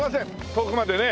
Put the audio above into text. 遠くまでね。